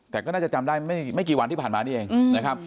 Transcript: แต่ก็น่าจะจำได้ไม่กี่วันที่ผ่านมานี่เองนะครับ